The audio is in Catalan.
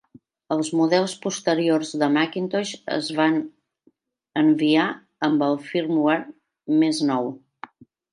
Els models posteriors de Macintosh es van enviar amb el firmware més nou.